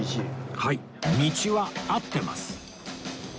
はい道は合ってます